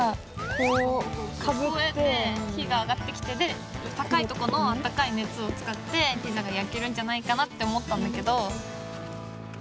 こうやって火が上がってきてで高いとこのあったかい熱を使ってピザが焼けるんじゃないかなって思ったんだけど。